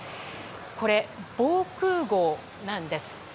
これ、防空壕なんです。